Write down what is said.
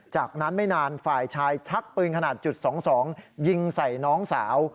จากนั้นไม่นานฝ่ายชายชักปืนขนาดจุด๒๒ยิงใส่น้องสาว